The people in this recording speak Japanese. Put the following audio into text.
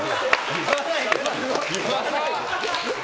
言わない。